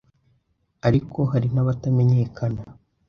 ariko hari n’abatamenyekana